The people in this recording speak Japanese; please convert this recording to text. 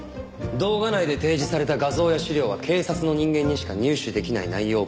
動画内で提示された画像や資料は警察の人間にしか入手できない内容ばかりです。